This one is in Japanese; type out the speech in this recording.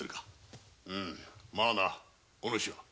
まあなお主は？